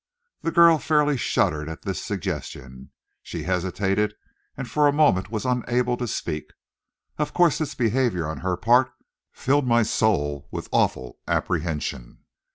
The girl fairly shuddered at this suggestion. She hesitated, and for a moment was unable to speak. Of course this behavior on her part filled my soul with awful apprehension.